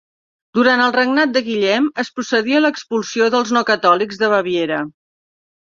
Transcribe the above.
Durant el regnat de Guillem es procedí a l'expulsió dels no catòlics de Baviera.